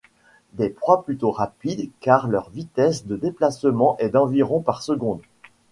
Des proies plutôt rapides car leur vitesse de déplacement est d'environ par seconde.